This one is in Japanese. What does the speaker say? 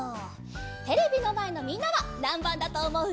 テレビのまえのみんなはなんばんだとおもう？